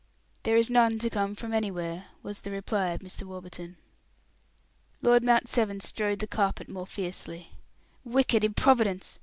"There is none to come from anywhere," was the reply of Mr. Warburton. Lord Mount Severn strode the carpet more fiercely. "Wicked improvidence!